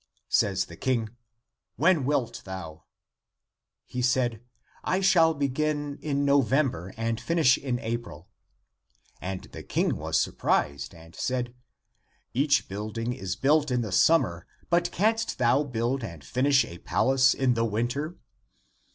Says the King, "When wilt thou?" He said, "I shall be gin in November and finish in April." And the King was surprised, and said, " Each building is built in the summer, but canst thou build and finish a palace in the winter?"